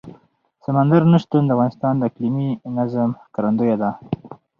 سمندر نه شتون د افغانستان د اقلیمي نظام ښکارندوی ده.